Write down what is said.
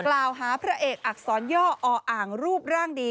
พระเอกอักษรย่ออ่างรูปร่างดี